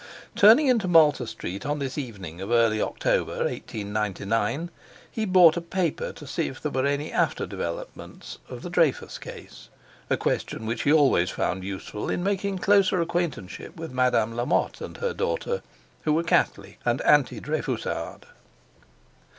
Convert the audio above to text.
Turning into Malta Street on this evening of early October, 1899, he bought a paper to see if there were any after development of the Dreyfus case—a question which he had always found useful in making closer acquaintanceship with Madame Lamotte and her daughter, who were Catholic and anti Dreyfusard.